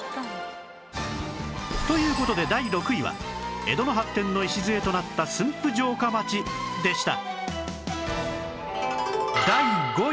という事で第６位は江戸の発展の礎となった駿府城下町でした